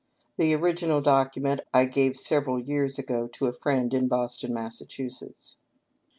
The original document I gave several years ago to a friend in Boston, Mass.: 622 APPENDIX.